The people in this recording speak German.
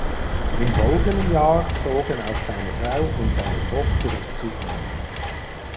Im folgenden Jahr zogen auch seine Frau und seine Tochter zu ihm.